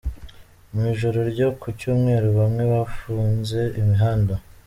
Mu ijoro ryo ku Cyumweru bamwe bafunze imihanda.